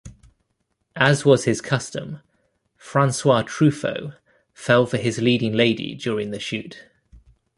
As was his custom, Francois Truffaut fell for his leading lady during the shoot.